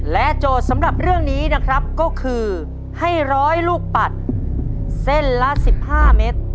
โจทย์สำหรับเรื่องนี้นะครับก็คือให้ร้อยลูกปัดเส้นละ๑๕เมตร